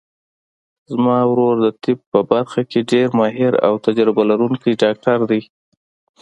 زما ورور د طب په برخه کې ډېر ماهر او تجربه لرونکی ډاکټر ده